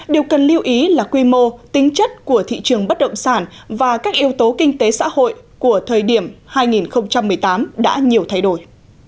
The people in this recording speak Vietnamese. điều cần lưu ý là quy mô tính chất của thị trường bất động sản và các yếu tố kinh tế xã hội của thời điểm hai nghìn một mươi tám đã nhiều thay đổi